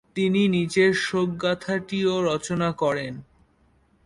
তিনি নিচের শোকগাঁথাটিও রচনা করেন